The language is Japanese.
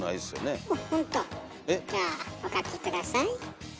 じゃあお書き下さい。